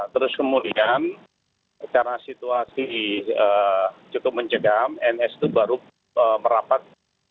terus kemudian karena situasi cukup mencegam ns itu baru merapat